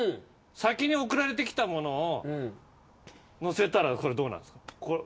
先に送られてきたものを載せたらどうなんですか。